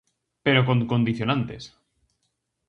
Pero con condicionantes.